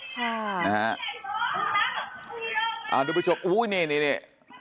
ค่ะอ่าดูประชุมโอ้โหนี่นี่นี่